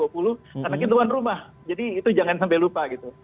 karena kita tuan rumah jadi itu jangan sampai lupa gitu